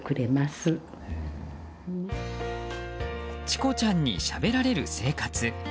チコちゃんにしゃべられる生活。